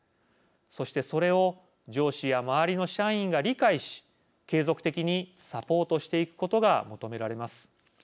そして、それを上司や周りの社員が理解し継続的にサポートしていくことが求められます。